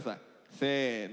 せの。